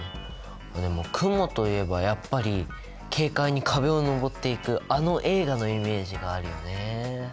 あっでもクモといえばやっぱり軽快に壁をのぼっていくあの映画のイメージがあるよね。